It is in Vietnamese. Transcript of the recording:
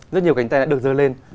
rất nhiều cánh tay đã được dơ lên